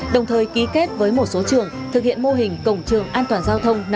đồng thời ký kết với một số trường thực hiện mô hình cổng trường an toàn giao thông năm hai nghìn hai mươi